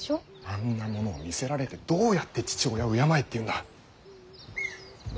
あんなものを見せられてどうやって父親を敬えっていうんだ。